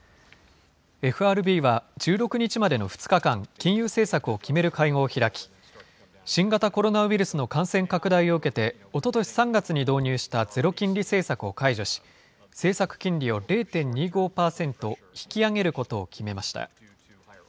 ＦＲＢは１６日までの２日間、金融政策を決める会合を開き、新型コロナウイルスの感染拡大を受けて、おととし３月に導入したゼロ金利政策を解除し、政策金利を０．２５％引き上げることを決めました。